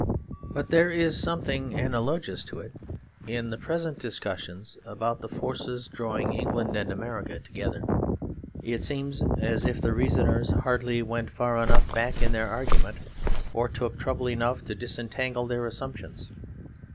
But there is something analogous to it in the present discussions about the forces drawing England and America together. It seems as if the reasoners hardly went far enough back in their argument, or took trouble enough to disentangle their assumptions.